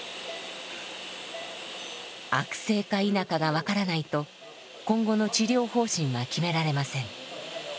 悪性か否かが分からないと今後の治療方針は決められません。